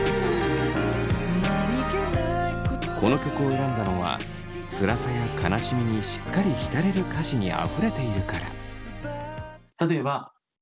この曲を選んだのはつらさや悲しみにしっかり浸れる歌詞にあふれているから。